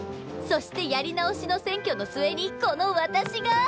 そしてやり直しの選挙の末にこの私が。